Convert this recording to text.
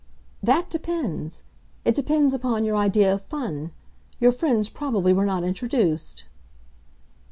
"That depends. It depends upon your idea of fun. Your friends probably were not introduced."